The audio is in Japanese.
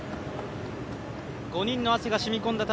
５人の汗がしみ込んだ